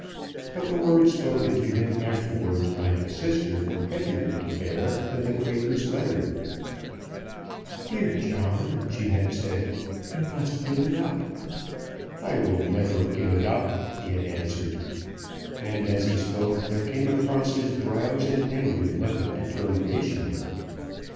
But the words spoken to him afterwards by his sister were heavier to bear than the Quaker's letter. "Dear John," she had said, "you must give it up." "I will never give it up," he had answered. And as he spoke there came across his brows an angry look of determination.